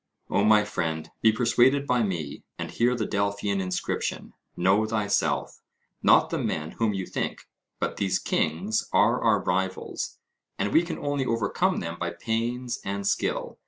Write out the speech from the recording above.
O my friend, be persuaded by me, and hear the Delphian inscription, 'Know thyself' not the men whom you think, but these kings are our rivals, and we can only overcome them by pains and skill.